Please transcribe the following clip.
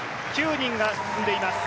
９人が進んでいます。